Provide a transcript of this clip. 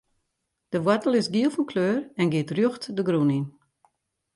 De woartel is giel fan kleur en giet rjocht de grûn yn.